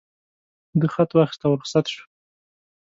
ده خط واخیست او رخصت شو.